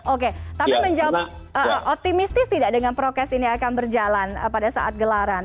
oke tapi menjawab optimistis tidak dengan prokes ini akan berjalan pada saat gelaran